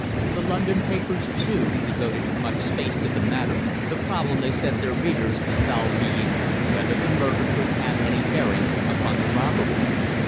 The London papers, too, devoted much space to the matter, the problem they set their readers to solve being: whether the murder could have any bearing upon the robbery.